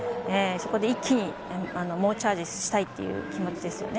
そこで一気に猛チャージしたいという気持ちです。